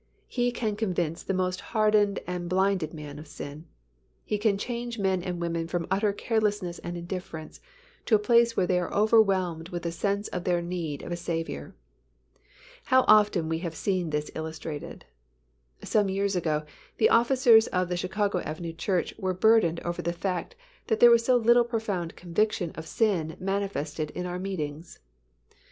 He can convince the most hardened and blinded man of sin. He can change men and women from utter carelessness and indifference to a place where they are overwhelmed with a sense of their need of a Saviour. How often we have seen this illustrated. Some years ago, the officers of the Chicago Avenue Church were burdened over the fact that there was so little profound conviction of sin manifested in our meetings.